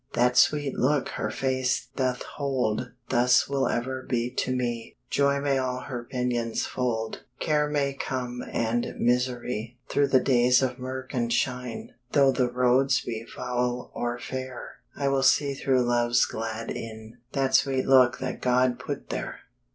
That sweet look her face doth hold Thus will ever be to me; Joy may all her pinions fold, Care may come and misery; Through the days of murk and shine, Though the roads be foul or fair, I will see through love's glad eyne That sweet look that God put there.